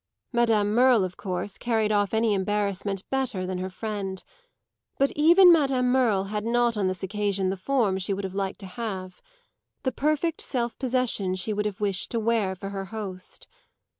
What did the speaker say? Madame Merle of course carried off any embarrassment better than her friend; but even Madame Merle had not on this occasion the form she would have liked to have the perfect self possession she would have wished to wear for her host.